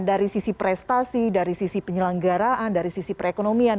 dari sisi prestasi dari sisi penyelenggaraan dari sisi perekonomian